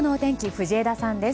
藤枝さんです。